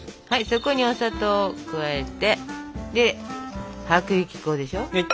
そこにお砂糖を加えてで薄力粉でしょ。